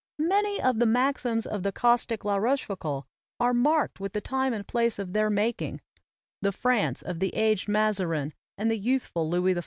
Many of the maxims of the caustic La Roche foucauld are marked with the time and place of their making, the France of the aged Mazarin and of the youthful Louis XIV.